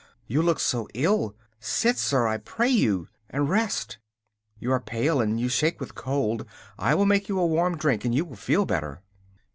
You look so ill! Sit, sir, I pray you, and rest. You are pale and you shake with cold. I will make you a warm drink and you will feel better.